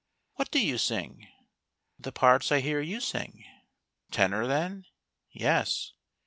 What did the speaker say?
" What do you sing? "" The parts I hear you sing." " Tenor, then ?"" Yes."